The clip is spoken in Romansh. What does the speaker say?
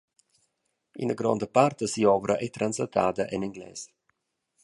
Ina gronda part da si’ovra ei translatada en engles.